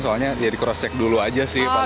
soalnya ya di cross check dulu aja sih